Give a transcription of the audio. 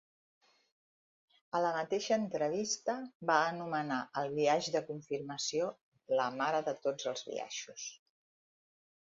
A la mateixa entrevista, va anomenar al biaix de confirmació la mare de tots els biaixos.